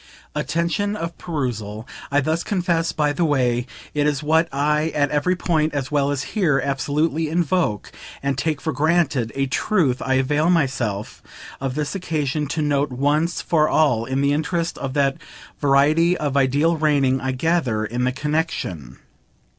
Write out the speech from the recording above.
(Attention of perusal, I thus confess by the way, is what I at every point, as well as here, absolutely invoke and take for granted; a truth I avail myself of this occasion to note once for all in the interest of that variety of ideal reigning, I gather, in the connexion.